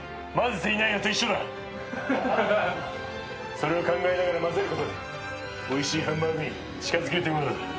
それを考えながら混ぜることでおいしいハンバーグに近づけるというものだ。